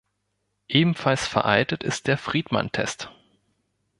Ebenfalls veraltet ist der Friedman-Test.